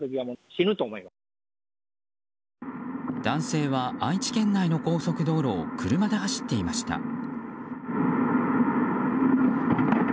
男性は、愛知県内の高速道路を車で走っていました。